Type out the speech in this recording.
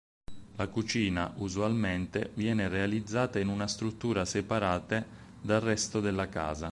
La cucina, usualmente, viene realizzata in una struttura separate dal resto della casa.